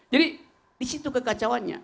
jadi di situ kekacauannya